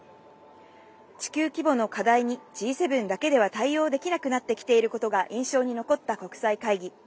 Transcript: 地球規模の課題にＧ７だけでは対応できなくなっていることが印象に残った国際会議。